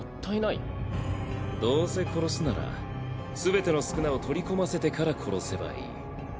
「どうせ殺すなら全ての宿儺を取り込ませてから殺せばいい」。